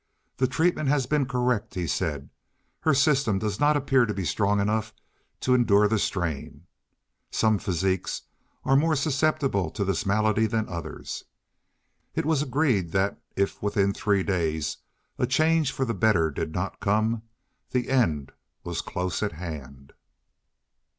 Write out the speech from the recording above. "The treatment has been correct," he said. "Her system does not appear to be strong enough to endure the strain. Some physiques are more susceptible to this malady than others." It was agreed that if within three days a change for the better did not come the end was close at hand.